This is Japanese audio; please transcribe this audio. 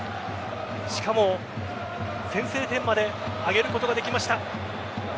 しかも先制点まで挙げることができました。